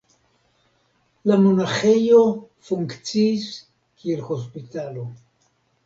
La monaĥejo funkciis kiel hospitalo.